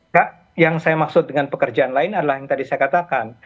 kak yang saya maksud dengan pekerjaan lain adalah yang tadi saya katakan